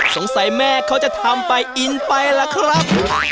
สงสัยแม่เขาจะทำไปอินไปล่ะครับ